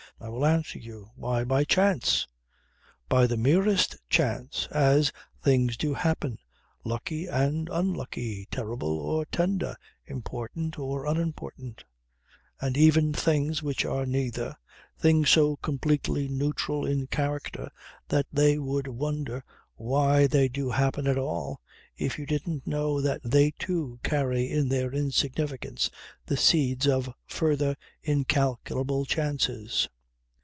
I will answer you: Why, by chance! By the merest chance, as things do happen, lucky and unlucky, terrible or tender, important or unimportant; and even things which are neither, things so completely neutral in character that you would wonder why they do happen at all if you didn't know that they, too, carry in their insignificance the seeds of further incalculable chances.